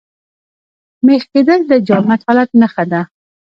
مېخ کېدل د جامد حالت نخښه ده.